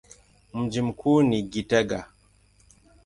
Mji mkuu ni Gitega.